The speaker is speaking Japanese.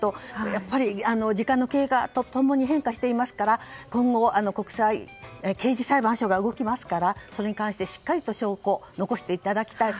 やっぱり時間の経過と共に変化していますから今後国際刑事裁判所が動きますからそれに関してしっかり証拠を残していただきたい。